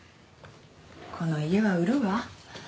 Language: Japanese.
この家は売るわ。